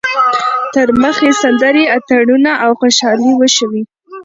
تر مخ یې سندرې، اتڼونه او خوشحالۍ وشوې.